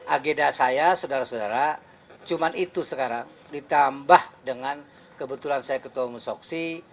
ageda saya saudara saudara cuma itu sekarang ditambah dengan kebetulan saya ketua musyoksi